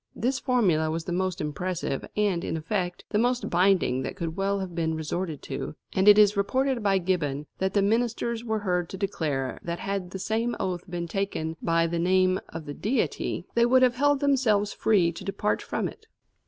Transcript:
This formula was the most impressive and, in effect, the most binding that could well have been resorted to, and it is reported by Gibbon that the ministers were heard to declare that had the same oath been taken by the name of the Deity they would have held themselves free to depart from it.